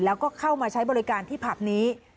แล้วก็เข้ามาใช้บริการที่ผับนี้